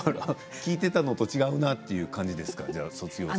聞いていたのと違うなっていう感じですか？